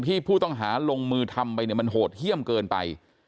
ที่ผู้ต้องหาลงมือทำไปเนี่ยมันโหดเยี่ยมเกินไป